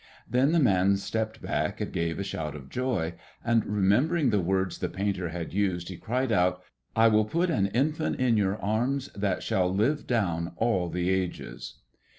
Then the man stepped back and gave a shout of joy and, remembering the words the painter had used, he cried out, "I will put an infant in your arms that shall live down all the ages."